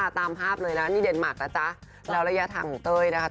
ตามภาพเลยนะนี่เดนมาร์คนะจ๊ะแล้วระยะทางของเต้ยนะคะ